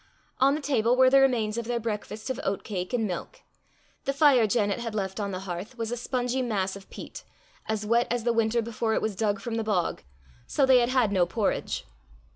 On the table were the remains of their breakfast of oat cake and milk the fire Janet had left on the hearth was a spongy mass of peat, as wet as the winter before it was dug from the bog, so they had had no porridge.